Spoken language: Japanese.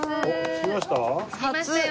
着きましたよ。